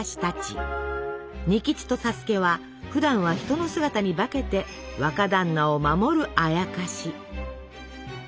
仁吉と佐助はふだんは人の姿に化けて若だんなを守るあやかし。